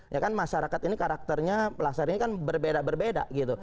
ya kan masyarakat ini karakternya pasar ini kan berbeda berbeda gitu